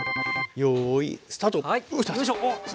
よいスタート。